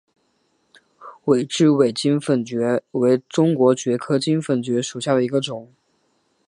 野雉尾金粉蕨为中国蕨科金粉蕨属下的一个种。